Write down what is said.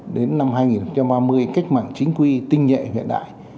đến năm hai nghìn ba mươi cách mạng chính quy tinh nhẹ hiện đại